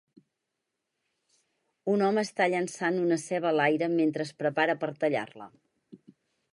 Un home està llançant una ceba a l'aire mentre es prepara per tallar-la.